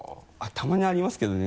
たまにありますけどね。